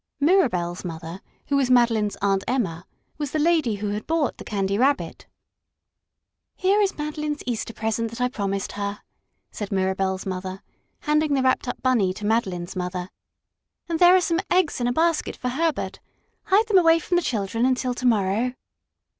Mirabell's mother, who was Madeline's Aunt Emma, was the lady who had bought the Candy Rabbit. "Here is Madeline's Easter present that I promised her," said Mirabell's mother, handing the wrapped up Bunny to Madeline's mother. "And there are some eggs in a basket for Herbert. Hide them away from the children until to morrow."